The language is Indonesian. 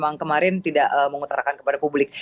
yang kemarin tidak mengutarakan kepada publik